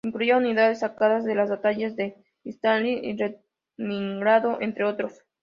Incluía unidades sacadas de las batallas de Stalingrado y Leningrado, entre otros.